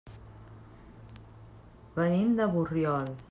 Venim de Borriol.